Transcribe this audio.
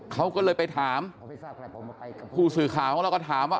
เขาก็เลยไปถามผู้สื่อข่าวของเราก็ถามว่า